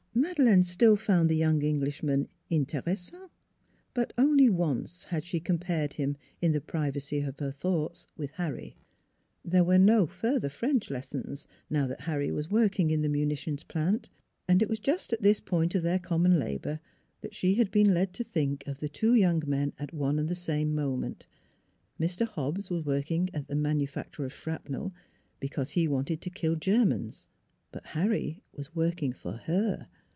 Madeleine still found the young Englishman interessant. But only once had she compared him in the privacy of her thoughts with Harry. There were no further French lessons, now that Harry was working in the munitions plant. And it was just at this point of their common labor that she had been led to think of the two young men at one and the same moment: Mr. Hobbs was working at the manufacture of shrapnel because he wanted to kill Germans; but Harry was working for her.